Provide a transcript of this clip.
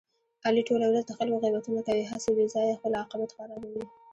علي ټوله ورځ د خلکو غیبتونه کوي، هسې بې ځایه خپل عاقبت خرابوي.